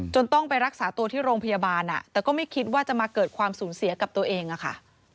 ต้องไปรักษาตัวที่โรงพยาบาลแต่ก็ไม่คิดว่าจะมาเกิดความสูญเสียกับตัวเองอะค่ะ